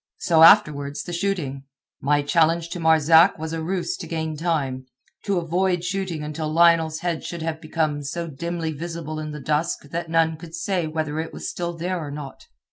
So afterwards the shooting. My challenge to Marzak was a ruse to gain time—to avoid shooting until Lionel's head should have become so dimly visible in the dusk that none could say whether it was still there or not.